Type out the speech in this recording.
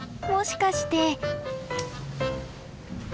もしかして。